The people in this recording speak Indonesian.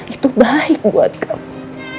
itu baik buat kamu